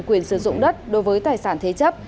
quyền sử dụng đất đối với tài sản thế chấp